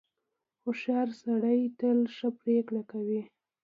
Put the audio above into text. • هوښیار سړی تل ښه پرېکړه کوي.